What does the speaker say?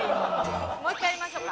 もう１回やりましょうか。